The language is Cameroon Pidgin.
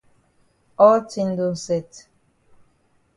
All tin don set.